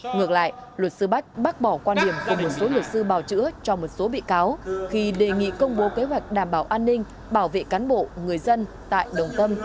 ngược lại luật sư bách bác bỏ quan điểm của một số luật sư bảo chữa cho một số bị cáo khi đề nghị công bố kế hoạch đảm bảo an ninh bảo vệ cán bộ người dân tại đồng tâm